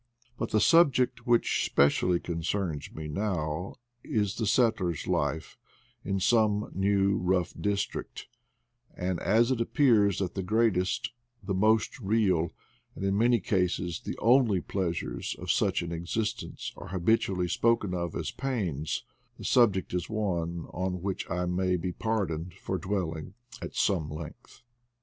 But the subject which specially concerns me just now is the settler's life in some new and rough district ; and as it appears that the greatest, the most real, and in many cases the only pleasures of such an existence are habitually spoken of as pains, the subject is one. on which I may be pardoned for dwelling at some length.